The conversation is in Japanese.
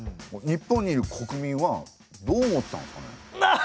日本にいる国民はどう思ってたんですかね？